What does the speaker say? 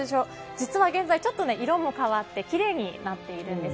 実は現在、色も変わってきれいになっているんです。